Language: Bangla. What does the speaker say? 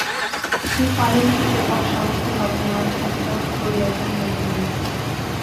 সেই কালো দুটি চোখ আমার সমস্ত ভাবনার মাঝখানে কেমন করিয়া চাহিয়া রহিল।